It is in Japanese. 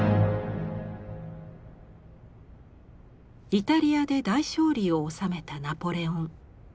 イタリアで大勝利を収めたナポレオン。